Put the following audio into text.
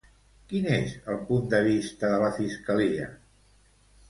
Quin és el punt de vista de la Fiscalia?